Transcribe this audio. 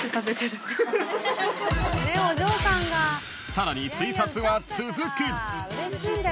［さらにツイサツは続く］